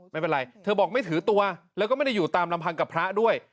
ไม่เป็นไรเธอบอกไม่ถือตัวแล้วก็ไม่ได้อยู่ตามลำพังกับพระด้วย